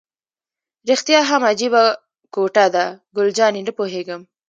رښتیا هم عجیبه کوټه ده، ګل جانې: نه پوهېږم.